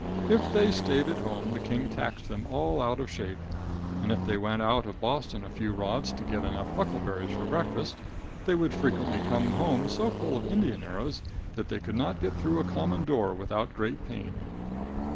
If they stayed at home the king taxed them all out of shape, and if they went out of Boston a few rods to get enough huckleberries for breakfast, they would frequently come home so full of Indian arrows that they could not get through a common door without great pain.